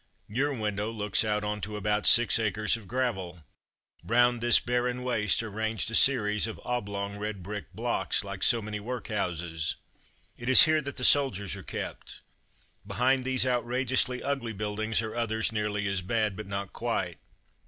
Your window looks out on to about six acres of gravel. Round this barren waste are ranged a series of oblong red brick blocks like so many workhouses. It is here that the sol diers are kept. Behind these outrageously ugly buildings are others nearly as bad, but not quite.